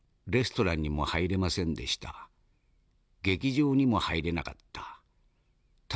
劇場にも入れなかった。